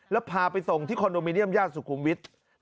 แล้วพาไปส่งที่คอนโดมิเนียมย่านสุขุมวิทย์